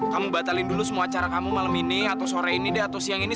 kamu batalin dulu semua acara kamu malam ini atau sore ini deh atau siang ini